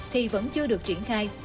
thì vẫn chưa được triển khai